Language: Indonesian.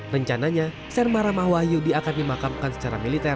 rencananya sermara mawahyu di akan dimakamkan secara militer